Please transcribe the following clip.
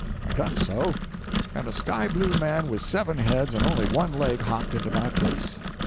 I done so, and a sky blue man with seven heads and only one leg hopped into my place.